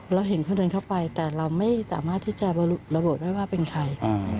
เราเห็นเขาเดินเข้าไปแต่เราไม่สามารถที่จะระบุได้ว่าเป็นใคร